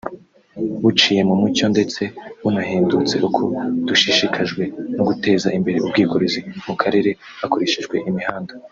buciye mu mucyo ndetse bunahendutse […] Uko dushishikajwe no guteza imbere ubwikorezi mu karere hakoreshejwe imihanda